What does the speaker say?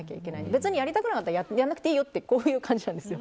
別にやりたくなかったらやらなくていいよっていう感じなんですよ。